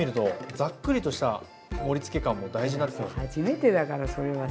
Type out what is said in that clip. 初めてだからそれはさ。